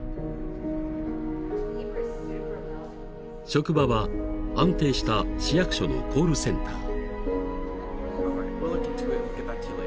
［職場は安定した市役所のコールセンター］